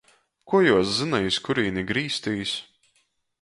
Kuo juos zyna, iz kurīni grīztīs?